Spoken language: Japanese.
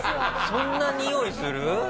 そんなにおいする？